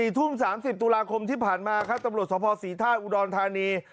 ๔๓๐ตุลาคมที่ผ่านมาครับตรรพสภศรีธาสตร์อุดรณ์ธานี